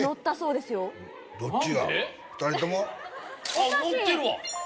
ああ載ってるわ